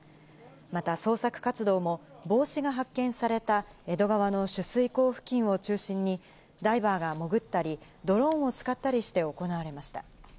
また、捜索活動も、帽子が発見された江戸川の取水口付近を中心に、ダイバーが潜ったり、ドローンを使ったりして行われました。